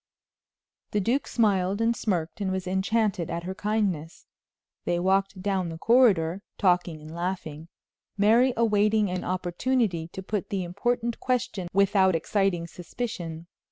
The duke smiled and smirked, and was enchanted at her kindness. They walked down the corridor, talking and laughing, Mary awaiting an opportunity to put the important question without exciting suspicion.